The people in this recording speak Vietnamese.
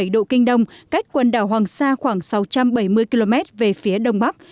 một trăm một mươi sáu bảy độ kinh đông cách quần đảo hoàng sa khoảng sáu trăm bảy mươi km về phía đông bắc